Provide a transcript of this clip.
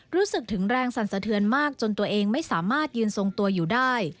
รู้สึกถึงแรงสั่นสะเทือนมากจนตัวเองไม่สามารถยืนทรงตัวอยู่ได้